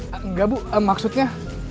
enggak bu maksudnya